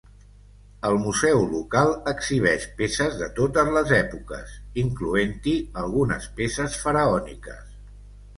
El Museu local exhibeix peces de totes les èpoques, incloent-hi algunes peces faraòniques.